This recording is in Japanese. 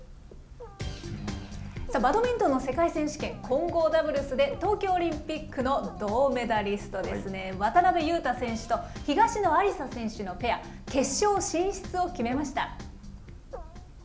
バドミントンの世界選手権、混合ダブルスで、東京オリンピックの銅メダリストですね、渡辺勇大選手と東野有紗選手のペア、決勝進出を決めました。